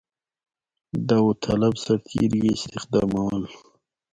داوطلب سرتېري یې استخدامول.